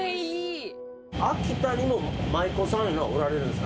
秋田にも舞妓さんいうのはおられるんですか？